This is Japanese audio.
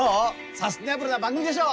サスティナブルな番組でしょう？